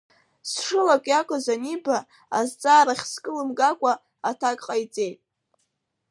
Сшылакҩакыз аниба, азҵаарахь скылымгакәа аҭак ҟаиҵеит.